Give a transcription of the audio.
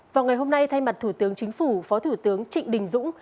vào ngày hôm nay thay mặt thủ tướng chính phủ phó thủ tướng trịnh đình dũng